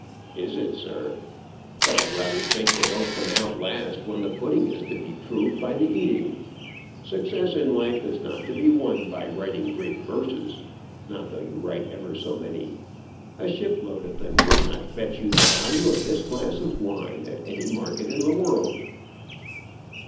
"Is it, sir? But I rather think they don't come out last when the pudding is to be proved by the eating. Success in life is not to be won by writing Greek verses; not though you write ever so many. A ship load of them would not fetch you the value of this glass of wine at any market in the world."